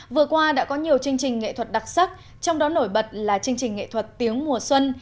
vừa qua đã có nhiều chương trình nghệ thuật đặc sắc trong đó nổi bật là chương trình nghệ thuật tiếng mùa xuân